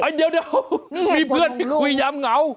เดี๋ยวมีเพื่อนคุยยามเหงา